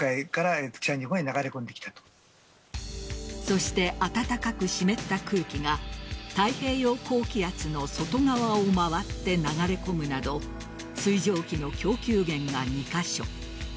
そして暖かく湿った空気が太平洋高気圧の外側を回って流れ込むなど水蒸気の供給源が２カ所。